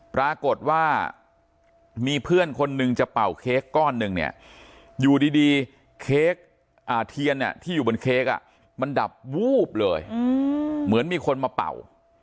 ปรากฏว่ามีเพื่อนคนนึงจะเป่าเค้กก้อนหนึ่งเนี่ยอยู่ดีเค้กเทียนที่อยู่บนเค้กมันดับวูบเลยเหมือนมีคนมาเป่า